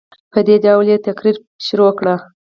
په دې ډول یې تقریر پیل کړ.